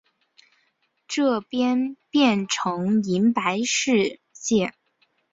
这边变成银白世界